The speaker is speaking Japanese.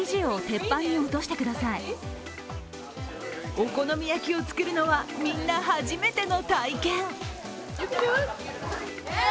お好み焼きを作るのはみんな初めての体験。